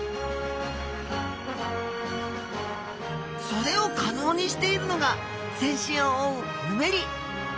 それを可能にしているのが全身を覆うヌメリ。